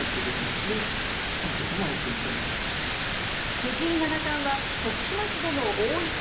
藤井七冠は徳島市での王位戦